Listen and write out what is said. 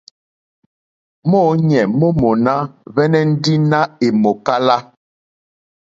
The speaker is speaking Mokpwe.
Mɔ̌ɲɛ̀ mó mòná hwɛ́nɛ́ ndí nà è mòkálá.